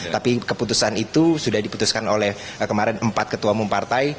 tapi keputusan itu sudah diputuskan oleh kemarin empat ketua umum partai